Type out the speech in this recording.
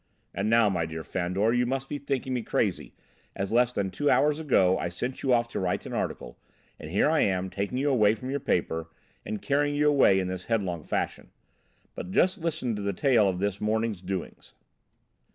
"And, now, my dear Fandor, you must be thinking me crazy, as less than two hours ago I sent you off to write an article, and here I come taking you from your paper and carrying you away in this headlong fashion. But just listen to the tale of this morning's doings."